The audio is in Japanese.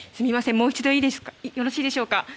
もう一度よろしいでしょうか。